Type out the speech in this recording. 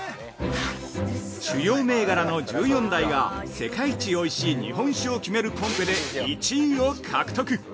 主要銘柄の十四代が世界一おいしい日本酒を決めるコンペで１位を獲得。